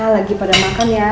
lagi pada makan ya